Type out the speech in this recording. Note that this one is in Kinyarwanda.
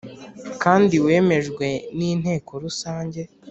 Kandi wemejwe n inteko rusange